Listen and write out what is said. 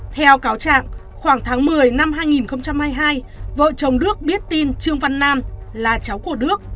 theo cáo trạng khoảng tháng một mươi năm hai nghìn hai mươi hai vợ chồng đức biết tin trương văn nam là cháu của đức